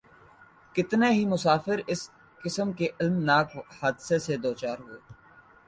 کتنے ہی مسافر اس قسم کے الم ناک حادثے سے دوچار ھوۓ